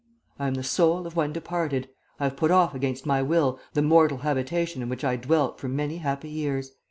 I am the soul of one departed. I have put off against my will the mortal habitation in which I dwelt for many happy years.